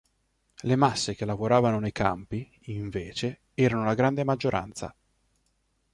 Le masse che lavoravano nei campi, invece, erano la grande maggioranza.